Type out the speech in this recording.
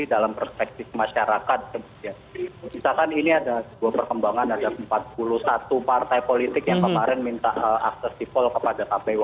jadi dalam perspektif masyarakat misalkan ini ada sebuah perkembangan ada empat puluh satu partai politik yang kemarin minta aksesifol kepada kpu